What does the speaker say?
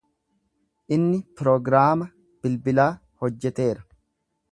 Inni pirogiraama bilbilaa hojjeteera.